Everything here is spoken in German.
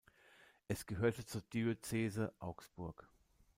Es gehörte zur Diözese Augsburg.